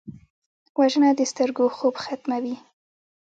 وژنه د سترګو خوب ختموي